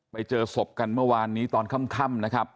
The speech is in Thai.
ไปเจอศพกันเมื่อวานนี้ตอนค่ำนะครับ